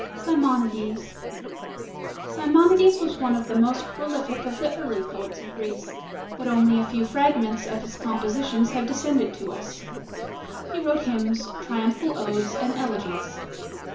SIMONIDES Simonides was one of the most prolific of the early poets of Greece, but only a few fragments of his compositions have descended to us. He wrote hymns, triumphal odes, and elegies.